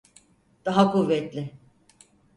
Daha kuvvetli!